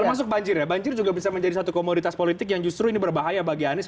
termasuk banjir ya banjir juga bisa menjadi satu komoditas politik yang justru ini berbahaya bagi anies